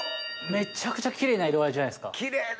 めっちゃくちゃキレイな色合いじゃないすか。